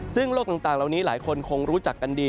ซึ่งโลกต่างเหล่านี้หลายคนคงรู้จักกันดี